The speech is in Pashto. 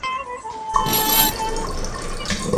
که څوک نوې ميرمن راواده کړي نو فقهاء څه نظر لري؟